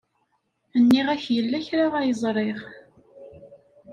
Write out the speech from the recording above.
Nniɣ-ak yella kra ay ẓriɣ.